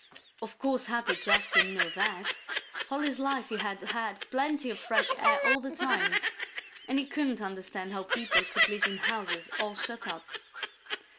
Of course Happy Jack didn't know that. All his life he had had plenty of fresh air all the time, and be couldn't understand how people could live in houses all shut up.